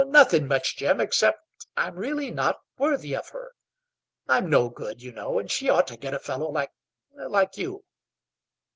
"Nothing much, Jim, except I'm really not worthy of her. I'm no good, you know, and she ought to get a fellow like like you."